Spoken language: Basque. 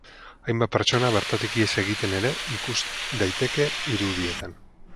Hainbat pertsona bertatik ihes egiten ere ikus daiteke irudietan.